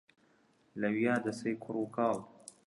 لەویا دەسەی کوڕ و کاڵ